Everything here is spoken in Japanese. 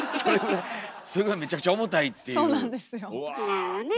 なるほどね。